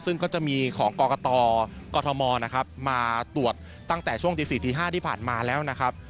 ซึ่งก็จะมีของกกมมาตรวจตั้งแต่ช่วงที่๔๕ที่ผ่านมาแล้วนะครับ